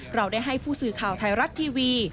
เราได้ให้ผู้สื่อข่าวไทยรัฐทีวี